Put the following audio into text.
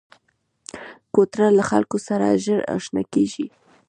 کوتره له خلکو سره ژر اشنا کېږي.